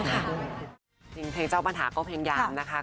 เพลงเจ้าปัญหาก็พยายามนะคะ